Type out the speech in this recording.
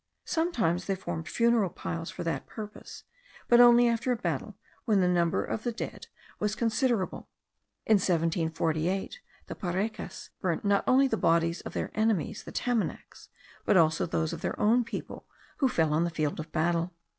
Sometimes they formed funeral piles for that purpose; but only after a battle, when the number of the dead was considerable. In 1748, the Parecas burned not only the bodies of their enemies, the Tamanacs, but also those of their own people who fell on the field of battle.